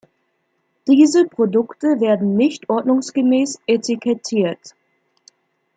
Diese Produkte werden nicht ordnungsgemäß etikettiert.